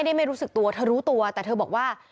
ไม่ไม่รู้สึกตัวคุณกล้วยเร็วตัวแต่เธอบอกว่า